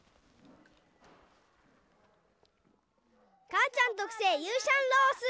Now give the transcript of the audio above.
かあちゃんとくせいユーシャンロース！